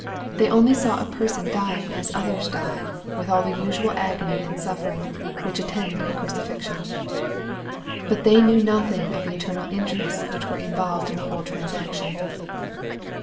They only saw a person dying as others die, with all the usual agony and suffering, which attend a crucifixion. But they knew nothing of the eternal interests which were involved in the whole transaction.